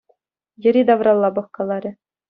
Йӗри-тавралла пӑхкаларӗ.